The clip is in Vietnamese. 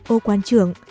ô quan trưởng